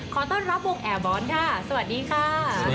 ขอต้อนรับวงแอร์บอนค่ะสวัสดีค่ะ